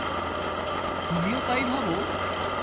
তুমিও তাই ভাবো?